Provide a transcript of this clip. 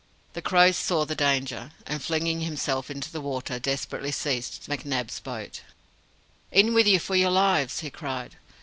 The Crow saw the danger, and, flinging himself into the water, desperately seized McNab's boat. "In with you for your lives!" he cried.